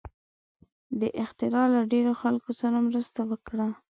دې اختراع له ډېرو خلکو سره مرسته وکړه.